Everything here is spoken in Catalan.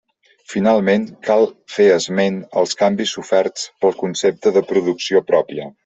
Finalment, cal fer esment als canvis soferts pel concepte de “producció pròpia”.